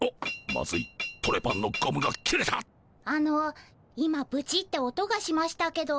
あの今ブチッて音がしましたけど。